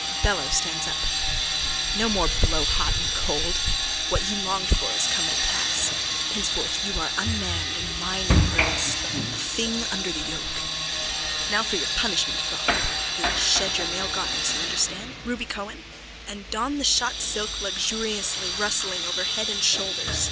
BELLO: (Stands up.) No more blow hot and cold. What you longed for has come to pass. Henceforth you are unmanned and mine in earnest, a thing under the yoke. Now for your punishment frock. You will shed your male garments, you understand, Ruby Cohen? and don the shot silk luxuriously rustling over head and shoulders.